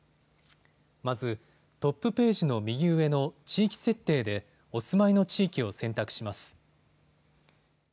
まずトップページの右上の地域設定でお住まいの地域を選択します。